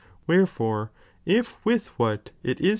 Wherefore if with whatf it Jis